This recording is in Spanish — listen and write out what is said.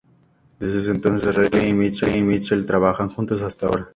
Desde ese entonces, Reilly y Mitchell trabajan juntos hasta ahora.